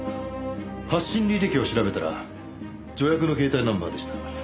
発信履歴を調べたら助役の携帯ナンバーでした。